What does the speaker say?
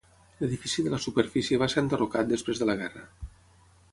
L'edifici de la superfície va ser enderrocat després de la guerra.